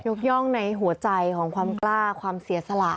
ย่องในหัวใจของความกล้าความเสียสละ